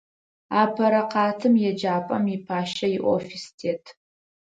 Апэрэ къатым еджапӏэм ипащэ иофис тет.